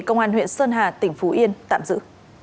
công an huyện sơn hà tỉnh phú yên tạm giữ